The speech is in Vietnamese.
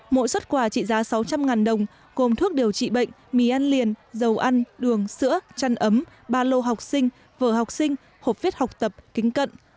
mỗi xuất quà trị giá sáu trăm linh đồng gồm thuốc điều trị bệnh mì ăn liền dầu ăn đường sữa chăn ấm ba lô học sinh vở học sinh hộp viết học tập kính cận